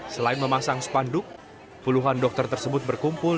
selain memasang spanduk puluhan dokter tersebut berkumpul